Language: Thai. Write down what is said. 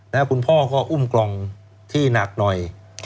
แล้วคุณพ่อก็อุ้มกล่องที่หนักหน่อย